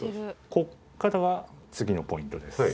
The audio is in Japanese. ここからが次のポイントです。